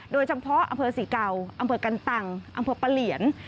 โดยเฉพาะอำเภาสิริเก่าอำเภากันตังส์อำเภาเปลี่ยน